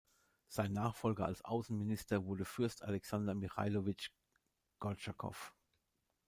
Sein Nachfolger als Außenminister wurde Fürst Alexander Michailowitsch Gortschakow.